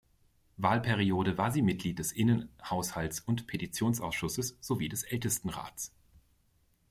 Wahlperiode war sie Mitglied des Innen-, Haushalts- und Petitionsausschusses sowie des Ältestenrats.